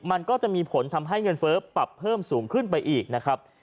มันก็จะมีผลทำให้เงินเฟ้อปรับเพิ่มสูงขึ้นไปอีกนะครับ